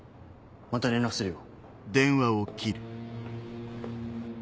また連絡するよ。